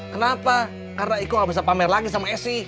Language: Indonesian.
kenapa karena ikut gak bisa pamer lagi sama esi